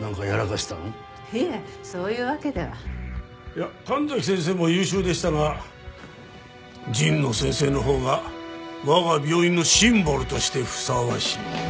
いや神崎先生も優秀でしたが神野先生のほうが我が病院のシンボルとしてふさわしい。